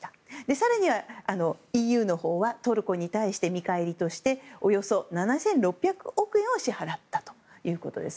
更にはＥＵはトルコに対して見返りとしておよそ７６００億円を支払ったということです。